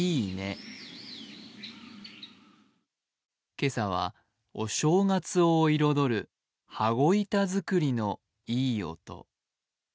今朝はお正月を彩る羽子板作りのいい音。